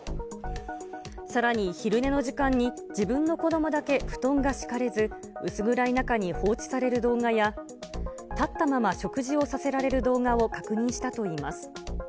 さらに昼寝の時間に自分の子どもだけ布団が敷かれず、薄暗い中に放置される動画や、立ったまま食事をさせられる動画を確認したといいます。